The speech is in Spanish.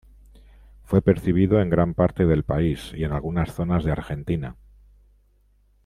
Fue percibido en gran parte del país y en algunas zonas de Argentina.